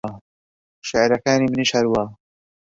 شێعرەکانی منیش هەروا